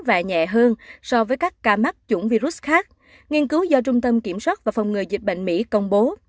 và nhẹ hơn so với các ca mắc chủng virus khác nghiên cứu do trung tâm kiểm soát và phòng ngừa dịch bệnh mỹ công bố